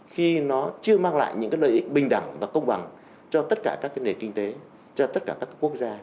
khi nó chưa mang lại những lợi ích bình đẳng và công bằng cho tất cả các nền kinh tế cho tất cả các quốc gia